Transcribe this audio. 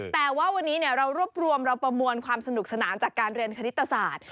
แต่ว่าวันนี้เรารวบรวมเราประมวลความสนุกสนานจากการเรียนคณิตศาสตร์